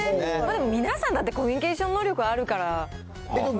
皆さんだってコミュニケーション能力あるから。